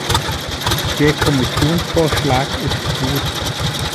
Der Kommissionsvorschlag ist gut.